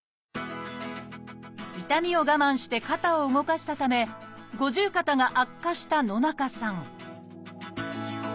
痛みを我慢して肩を動かしたため五十肩が悪化した野中さん